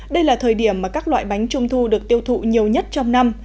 đây là thời điểm mà các loại bánh trung thu được tiêu thụ nhiều nhất trong năm